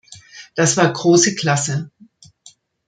Das war große Klasse!